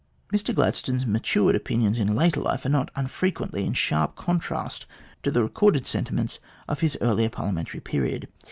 Mr Gladstone's matured opinions in later life are not unfrequently in sharp contrast to the recorded sentiments of his earlier Parliamentary period.